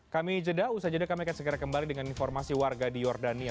kami jeda usah jeda kami akan segera kembali dengan informasi warga di jordania